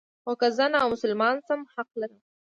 خو که زه نامسلمان شم حق لرم.